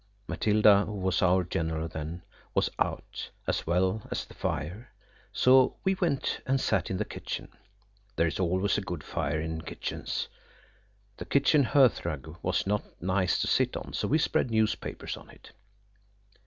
Matilda, who was our general then, was out, as well as the fire, so we went and sat in the kitchen. There is always a good fire in kitchens. The kitchen hearthrug was not nice to sit on, so we spread newspapers on it.